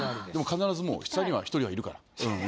必ず下には１人いるから。